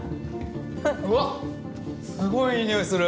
うわっすごいいい匂いする。